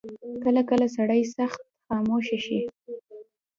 کله کله سړی سخت خاموشه شي.